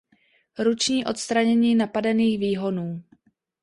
Ruční odstranění napadených výhonů.